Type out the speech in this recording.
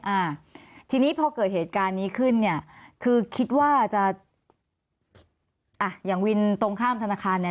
อ่าทีนี้พอเกิดเหตุการณ์นี้ขึ้นเนี่ยคือคิดว่าจะอ่ะอย่างวินตรงข้ามธนาคารเนี่ย